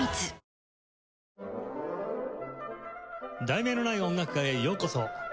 『題名のない音楽会』へようこそ。